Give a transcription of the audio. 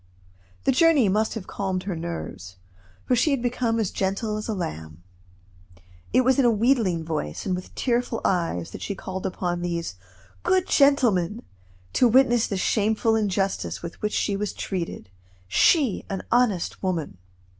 The journey must have calmed her nerves, for she had become as gentle as a lamb. It was in a wheedling voice, and with tearful eyes, that she called upon these "good gentlemen" to witness the shameful injustice with which she was treated she, an honest woman.